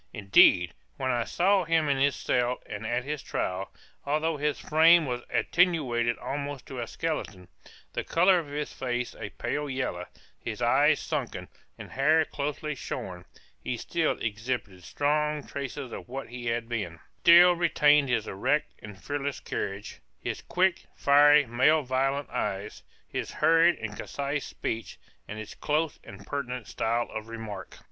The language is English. Indeed, when I saw him in his cell and at his trial, although his frame was attenuated almost to a skeleton, the color of his face a pale yellow, his eyes sunken, and hair closely shorn; he still exhibited strong traces of what he had been, still retained his erect and fearless carriage, his quick, fiery, and malevolent eye, his hurried and concise speech, and his close and pertinent style of remark.